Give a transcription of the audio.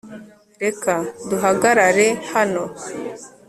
reka duhagarare hano